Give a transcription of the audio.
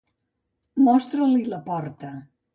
Mostra-li la porta.